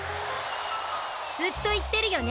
ずっと言ってるよね？